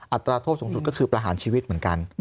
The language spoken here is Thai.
อัตราโทษสูงสุดก็คือประหารชีวิตเหมือนกัน